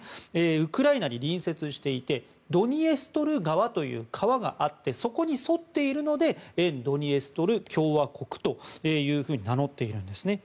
ウクライナに隣接していてドニエストル川という川があってそこに沿っているので沿ドニエストル共和国と名乗っているんです。